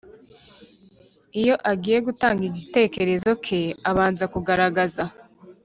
iyo agiye gutanga igitekerezo ke, abanza kugaragaza